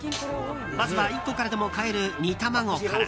まずは、１個からでも買える煮卵から。